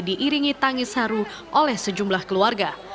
diiringi tangis haru oleh sejumlah keluarga